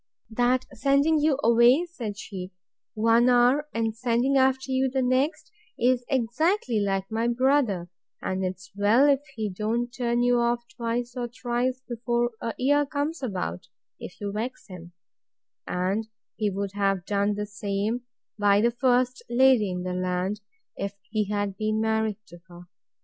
That sending you away, said she, one hour, and sending after you the next, is exactly like my brother; and 'tis well if he don't turn you off twice or thrice before a year comes about, if you vex him: and he would have done the same by the first lady in the land, if he had been married to her.